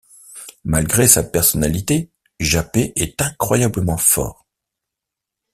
Malgré sa personnalité, Japet est incroyablement fort.